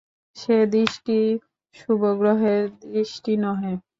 সে দৃষ্টি শুভগ্রহের দৃষ্টি নহে।